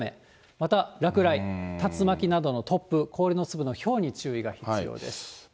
また落雷、竜巻などの突風、氷の粒のひょうに注意が必要です。